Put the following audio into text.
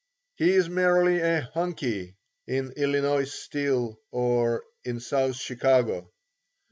He is merely a "Hunkie" in Illinois Steel or in South Chicago.